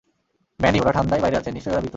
Many, ওরা ঠান্ডায় বাইরে আছে, নিশ্চয়ই ওরা ভীত।